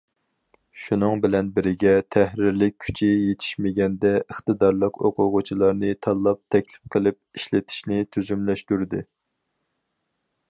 شۇنىڭ بىلەن بىرگە تەھرىرلىك كۈچى يېتىشمىگەندە ئىقتىدارلىق ئوقۇغۇچىلارنى تاللاپ تەكلىپ قىلىپ ئىشلىتىشنى تۈزۈملەشتۈردى.